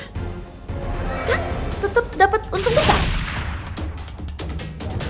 kan tetep dapat untung generators